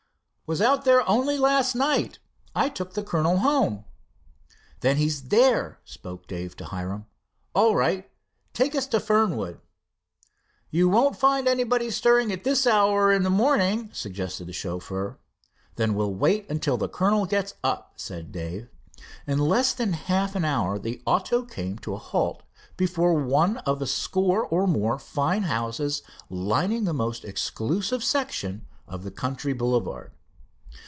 "Was there only last night. I took the Colonel home." "Then he's there," spoke Dave to Hiram. "All right, take us to Fernwood." "You won't find anybody stirring at this hour of the morning," suggested the chauffeur. "Then we'll Wait till the Colonel gets up," said Dave. In less than half an hour the auto came to a halt before one of a score or more of fine houses lining the most exclusive section of the country boulevard.